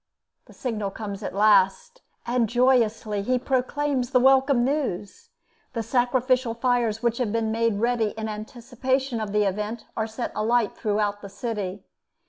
The signal comes at last, and joyously he proclaims the welcome news. The sacrificial fires which have been made ready in anticipation of the event are set alight throughout the city.